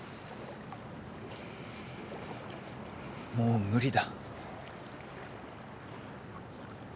もう無理だ。